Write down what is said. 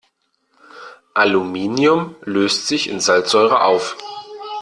Aluminium löst sich in Salzsäure auf.